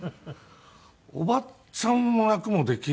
おばちゃんの役もできるんだ。